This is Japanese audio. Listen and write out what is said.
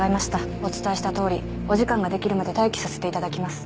お伝えしたとおりお時間ができるまで待機させていただきます。